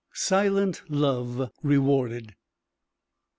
SILENT LOVE REWARDED.